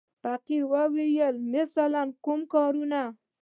فقیر وویل: مثلاً کوم کارونه.